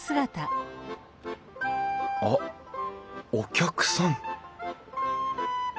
あっお客さん